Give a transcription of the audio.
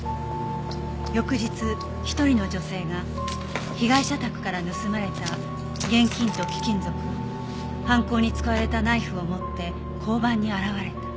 「翌日一人の女性が被害者宅から盗まれた現金と貴金属犯行に使われたナイフを持って交番に現れた」